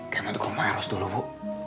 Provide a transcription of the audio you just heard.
kayak matt gue emang eros dulu bu